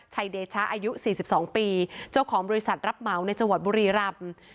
ชัยเดชะอายุสี่สิบสองปีเจ้าของบริษัทรับเหมาในจังหวัดบุรีรัมน์